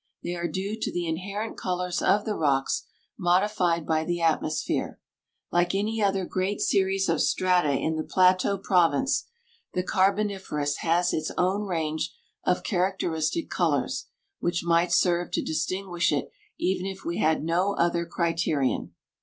They are due to the inherent colors of the rocks, modified by the atmosphere. Like any other great series of strata in the Plateau Province, the carboniferous has its own range of characteristic colors, which might serve to distinguish it even if we had no other criterion.